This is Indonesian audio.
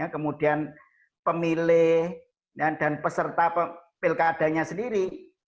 kemudian pemilih dan peserta pilkadanya sendiri